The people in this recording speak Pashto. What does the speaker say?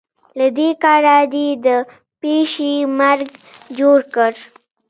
له دې کاره دې د پيشي مرګ جوړ کړ.